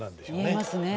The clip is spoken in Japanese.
見えますね